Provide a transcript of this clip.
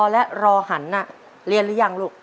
และรอหันน่ะเรียนรึยังลูก